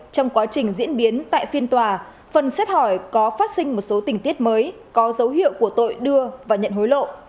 trong quá trình diễn biến tại phiên tòa phần xét hỏi có phát sinh một số tình tiết mới có dấu hiệu của tội đưa và nhận hối lộ